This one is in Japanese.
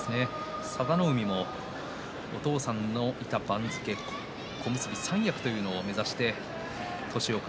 佐田の海もお父さんがいた番付小結三役というのを目指しています。